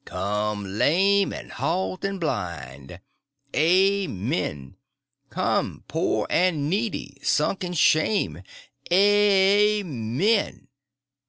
_) come, lame and halt and blind! (amen!) come, pore and needy, sunk in shame! (_a a men!